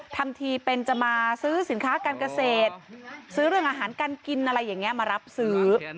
ทำทีเป็นจะมาซื้อสินค้าการเกษตรซื้อเรื่องอาหารการกินอะไรอย่างนี้มารับซื้อ